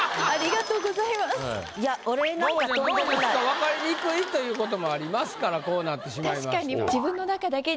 分かりにくいということもありますからこうなってしまいました。